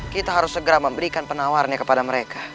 kita harus segera memberikan penawarnya kepada mereka